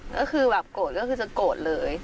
ก็คือแบบโกรธก็คือจะโกรธเลย